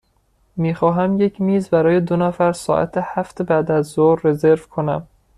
می خواهم یک میز برای دو نفر ساعت هفت بعدازظهر رزرو کنم.